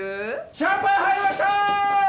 シャンパン入りました！